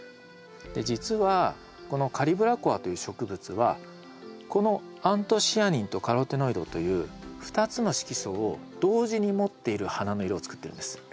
実はこのカリブラコアという植物はこのアントシアニンとカロテノイドという２つの色素を同時に持っている花の色をつくってるんです。